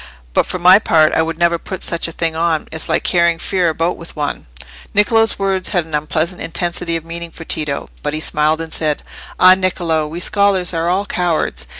But, for my part, I would never put such a thing on. It's like carrying fear about with one." Niccolò's words had an unpleasant intensity of meaning for Tito. But he smiled and said— "Ah, Niccolò, we scholars are all cowards.